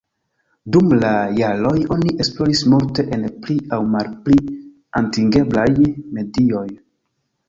Dum la jaroj oni esploris multe en pli aŭ malpli atingeblaj medioj.